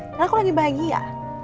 karena aku lagi bahagia